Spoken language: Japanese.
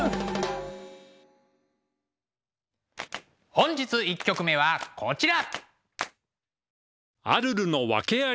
本日１曲目はこちら。